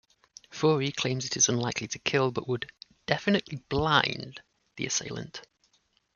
Fourie claims it is unlikely to kill but would "definitely blind" the assailant.